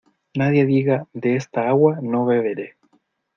Nadie diga "de esta agua no beberé".